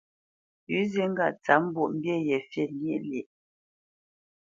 Pʉ̌ zi ŋgâʼ tsǎp mbwoʼmbî ye fî lyéʼ lyéʼ.